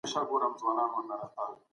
هره تیروتنه د اصلاح فرصت دی.